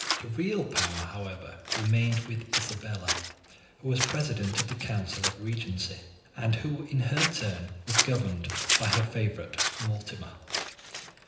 The real power, however, remained with Isabella, who was president of the council of regency, and who, in her turn, was governed by her favourite Mortimer.